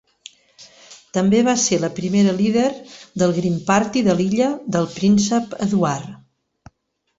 També va ser la primera líder del Green Party de l'Illa del Príncep Eduard.